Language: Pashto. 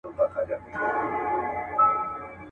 اورېدلې مي په کور کي له کلو ده.